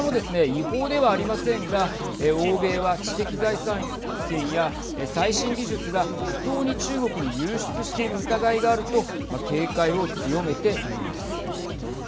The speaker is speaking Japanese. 違法ではありませんが欧米は知的財産権や最新技術が不当に中国に流出している疑いがあると警戒を強めているんです。